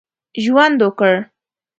ژوند وکړ.